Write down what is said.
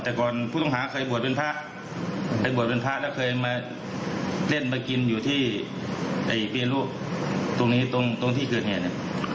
แต่ก่อนผู้ต้องหาเคยบวชเป็นพระเคยบวชเป็นพระแล้วเคยมาเล่นมากินอยู่ที่เปลี่ยนรูปตรงนี้ตรงตรงที่เกิดเหตุ